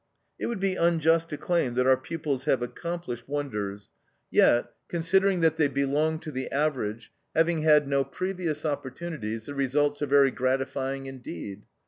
"It would be unjust to claim that our pupils have accomplished wonders; yet, considering that they belong to the average, having had no previous opportunities, the results are very gratifying indeed.